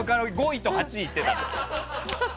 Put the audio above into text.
５位と８位に行ってた。